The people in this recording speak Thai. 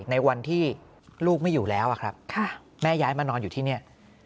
ในวันที่ลูกไม่อยู่แล้วครับแม่ย้ายมานอนอยู่ที่นี่